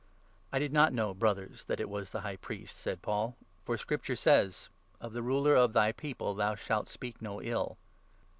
" "I did not know, Brothers, that it was the High Priest," 5 said Paul, "for Scripture says — 'Of the Ruler of thy People thou shalt speak no ill'."